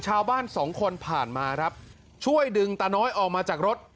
ชาวบ้านสองคนผ่านมาครับช่วยดึงตาน้อยออกมาจากรถ